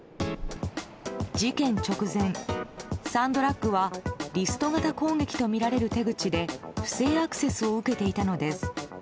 事件直前、サンドラッグはリスト型攻撃とみられる手口で不正アクセスを受けていたのです。